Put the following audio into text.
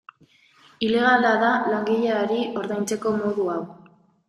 Ilegala da langileari ordaintzeko modu hau.